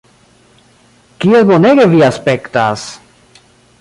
Kiel bonege vi aspektas!